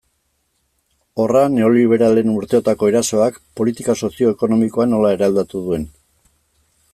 Horra neoliberalen urteotako erasoak politika sozio-ekonomikoa nola eraldatu duen.